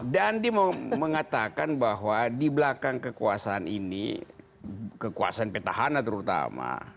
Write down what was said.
dandi mengatakan bahwa di belakang kekuasaan ini kekuasaan petahana terutama